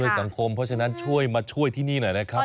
สังคมเพราะฉะนั้นช่วยมาช่วยที่นี่หน่อยนะครับ